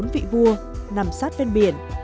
bốn vị vua nằm sát bên biển